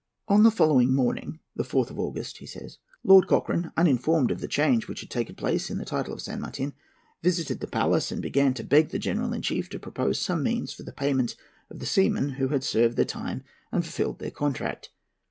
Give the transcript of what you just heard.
"On the following morning, the 4th of August," he says, "Lord Cochrane, uninformed of the change which had taken place in the title of San Martin, visited the palace, and began to beg the General in Chief to propose some means for the payment of the seamen who had served their time and fulfilled their contract.